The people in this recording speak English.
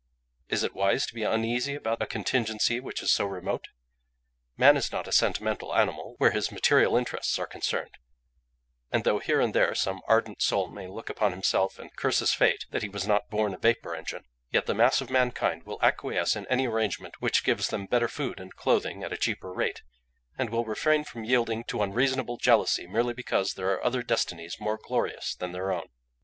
Is it wise to be uneasy about a contingency which is so remote? Man is not a sentimental animal where his material interests are concerned, and though here and there some ardent soul may look upon himself and curse his fate that he was not born a vapour engine, yet the mass of mankind will acquiesce in any arrangement which gives them better food and clothing at a cheaper rate, and will refrain from yielding to unreasonable jealousy merely because there are other destinies more glorious than their own.